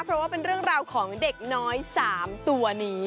เพราะว่าเป็นเรื่องราวของเด็กน้อย๓ตัวนี้